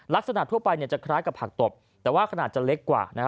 ทั่วไปจะคล้ายกับผักตบแต่ว่าขนาดจะเล็กกว่า